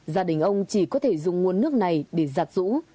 gia đình ông chỉ có thể dùng nguồn nước này để giặt rũ